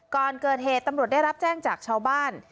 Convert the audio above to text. ก่อนเกิดเหตุตำรวจได้รับแจ้งจากชาวบ้าน